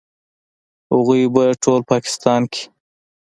هغوی په ټول پاکستان کې